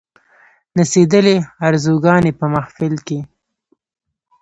نڅېدلې آرزوګاني په محفل کښي